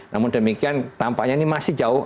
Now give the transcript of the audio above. namun demikian tampaknya ini masih jauh